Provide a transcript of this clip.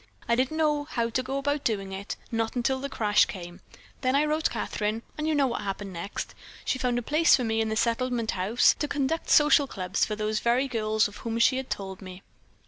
I didn't know how to go about doing it, not until the crash came. Then I wrote Kathryn, and you know what happened next. She found a place for me in the Settlement House to conduct social clubs for those very girls of whom she had told me."